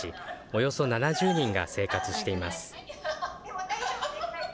およそ７０人が生活しています。